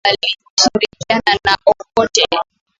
Kutoka hapa alishirikiana na Obote